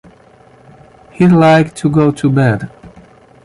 He’d like to go to bed.